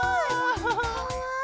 かわいい！